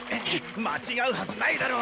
間違うはずないだろ！